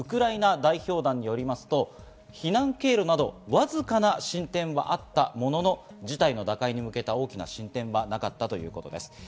ウクライナ代表団によりますと、避難経路など、わずかな進展はあったものの、事態の打開に向けた大きな進展はなかったということです。